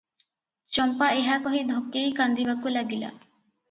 ଚମ୍ପା ଏହା କହି ଧକେଇ କାନ୍ଦିବାକୁ ଲାଗିଲା ।